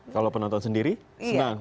kalau penonton sendiri senang